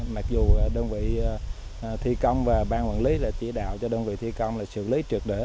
mặc dù đơn vị thi công và ban quản lý là chỉ đạo cho đơn vị thi công là xử lý trực đỡ